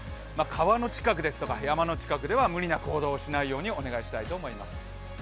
川の近く、山の近くでは無理な行動をしないようにお願いしたいと思います。